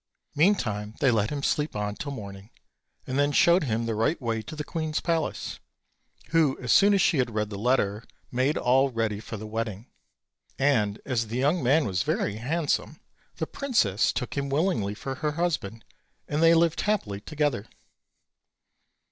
Meantime they let him sleep on till morning, and then showed him the right way to the queen's palace; who, as soon as she had read the letter, made all ready for the wedding; and as the young man was very hand some, the princess took him willingly for her husband, and they lived happily together.